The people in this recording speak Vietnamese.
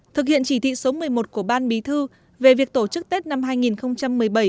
thực hiện chỉ thị số một mươi một của ban bí thư về việc tổ chức tết năm hai nghìn một mươi bảy